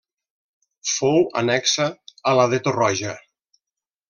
Fou annexa a la de Torroja.